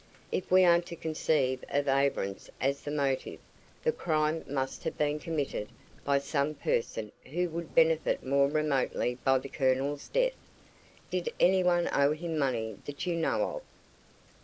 If we are to conceive of avarice as the motive, the crime must have been committed by some person who would benefit more remotely by the Colonel's death. Did anyone owe him money that you know of?"